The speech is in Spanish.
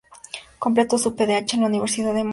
Completó su PhD en la Universidad de Monash en Australia.